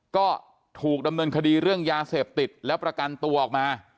ก็ถูกดำเนินคดีเรื่องยาเสพติดแล้วประกันตัวออกมา